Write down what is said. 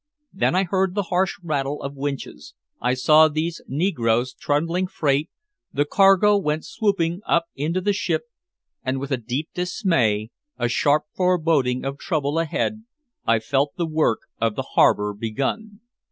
Then I heard the harsh rattle of winches, I saw these negroes trundling freight, the cargo went swooping up into the ship and with a deep dismay, a sharp foreboding of trouble ahead, I felt the work of the harbor begun.